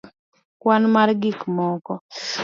kwan mar gik moko